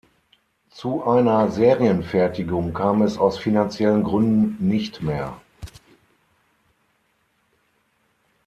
Zu einer Serienfertigung kam es aus finanziellen Gründen nicht mehr.